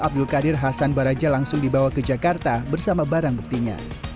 abdul qadir hasan baraja langsung dibawa ke jakarta bersama barang buktinya